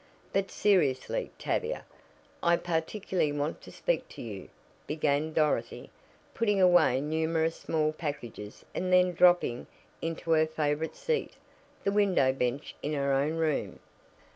'" "But, seriously, Tavia, I particularly want to speak to you," began Dorothy, putting away numerous small packages and then dropping into her favorite seat the window bench in her own room.